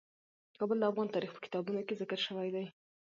کابل د افغان تاریخ په کتابونو کې ذکر شوی دي.